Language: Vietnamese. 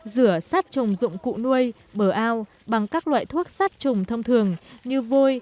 rửa sát trồng dụng cụ nuôi bờ ao bằng các loại thuốc sát trùng thông thường như vôi